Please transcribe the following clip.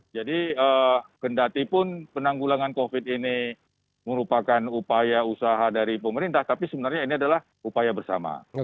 jadi kendatipun penanggulangan covid ini merupakan upaya usaha dari pemerintah tapi sebenarnya ini adalah upaya bersama